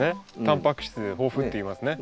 たんぱく質豊富っていいますね。